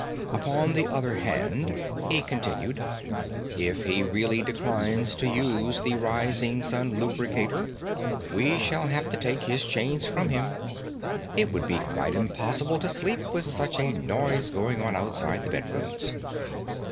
"Upon the other hand," he continued, "if he really declines to use the Rising Sun Lubricator, we shall have to take his chains from him. It would be quite impossible to sleep, with such a noise going on outside the bedrooms."